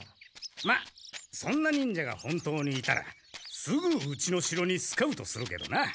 まあそんな忍者が本当にいたらすぐうちの城にスカウトするけどな。